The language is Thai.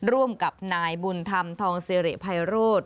ร่วมกับนายบุญธรรมทองสิริภัยโรธ